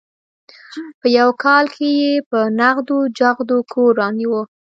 په یوه کال کې یې په نغدو چغدو کور رانیوه.